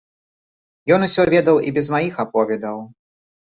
Ён усё ведаў і без маіх аповедаў.